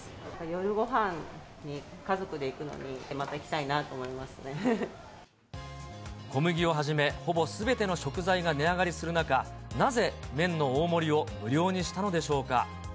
夜ごはんに家族で行くのに、小麦をはじめ、ほぼすべての食材が値上がりする中、なぜ麺の大盛りを無料にしたのでしょうか。